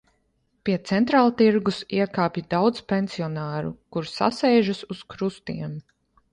Pie Centrāltirgus iekāpj daudz pensionāru, kuri sasēžas uz krustiem.